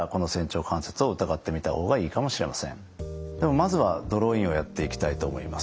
まずはドローインをやっていきたいと思います。